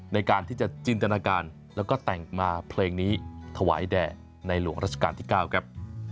ในการที่จะจินตนาการแล้วก็แต่งมาเพลงนี้ถวายแด่ในหลวงราชการที่๙ครับ